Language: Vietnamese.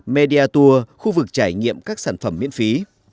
media tour khu vực trải nghiệm các sản phẩm miễn phí